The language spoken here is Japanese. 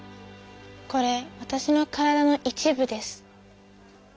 これわたしの体の一部です。